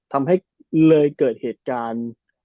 ทำให้เลยเกิดเหตุการณ์